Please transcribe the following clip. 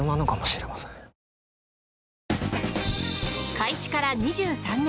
開始から２３年。